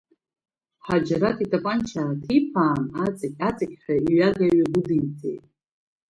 Ҳаџьараҭ итапанча ааҭиԥаан, аҵықь-аҵықьҳәа иҩага иҩагәыдиҵеит.